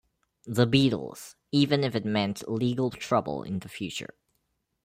The Beatles, even if it meant legal trouble in the future.